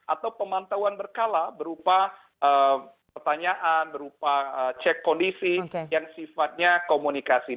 atau pemantauan berkala berupa pertanyaan berupa cek kondisi yang sifatnya komunikasi